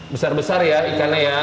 besar besar ya ikannya ya